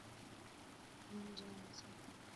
آن جان سا